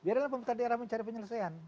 biarlah pemerintah daerah mencari penyelesaian